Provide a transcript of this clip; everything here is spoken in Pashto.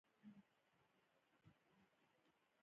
ځمکه د افغان ماشومانو د لوبو یوه ډېره جالبه موضوع ده.